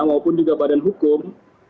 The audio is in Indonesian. maupun juga badan hukum